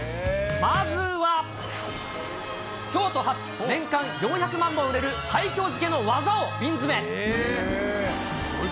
まずは、京都発、年間４００万本売れる西京漬けの技を瓶詰。